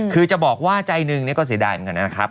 คือจะบอกว่าใจหนึ่งก็เสียดายเหมือนกันนะครับ